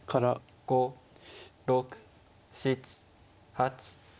５６７８９。